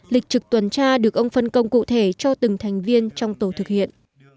lịch trực tuần tra được ông phân công cụ thể cho từng thành viên trong tổ thực hiện